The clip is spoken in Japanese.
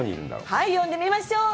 はい、呼んでみましょう。